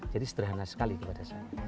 jadi sederhana sekali kepada saya